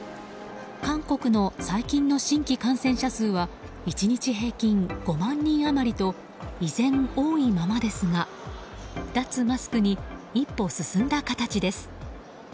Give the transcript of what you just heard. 韓国の最近の新規感染者数は１日平均５万人余りと依然、多いままですが脱マスクに一歩進んだ形です。